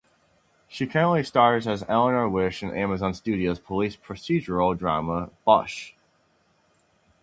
She currently stars as Eleanor Wish in Amazon Studios' police procedural drama "Bosch".